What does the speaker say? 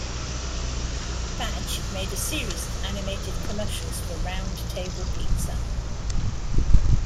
Bagge made a series of animated commercials for Round Table Pizza.